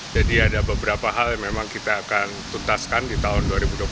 jadi ada beberapa hal yang memang kita akan tutaskan di tahun dua ribu dua puluh empat